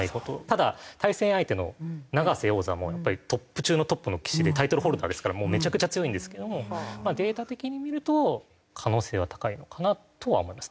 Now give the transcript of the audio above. ただ対戦相手の永瀬王座もやっぱりトップ中のトップの棋士でタイトルホルダーですからめちゃくちゃ強いんですけどもデータ的に見ると可能性は高いのかなとは思いますね。